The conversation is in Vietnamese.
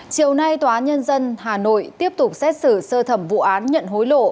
chiều nay tòa nhân dân hà nội tiếp tục xét xử sơ thẩm vụ án nhận hối lộ